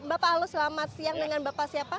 bapak halo selamat siang dengan bapak siapa